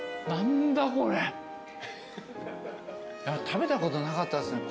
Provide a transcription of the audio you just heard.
食べたことなかったっすね